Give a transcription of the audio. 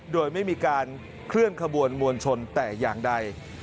โดยไม่มีการเคลื่อนขบวนมวลชนแต่อย่างใด